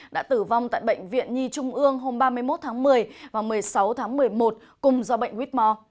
đã tử vong tại bệnh viện nhi trung ương hôm ba mươi một tháng một mươi và một mươi sáu tháng một mươi một cùng do bệnh whitmore